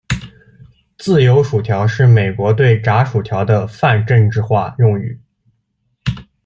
自由薯条是美国对炸薯条的泛政治化用语。